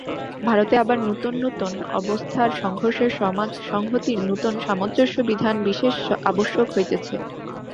ভারতে আবার নূতন নূতন অবস্থার সংঘর্ষে সমাজ-সংহতির নূতন সামঞ্জস্যবিধান বিশেষ আবশ্যক হইতেছে।